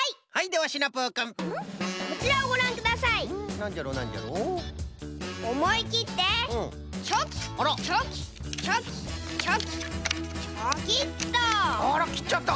あらきっちゃった！